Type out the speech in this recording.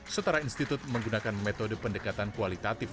setara institut menggunakan metode pendekatan kualitatif